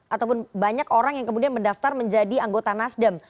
ataupun banyak orang yang kemudian mendaftar menjadi anggota nasdem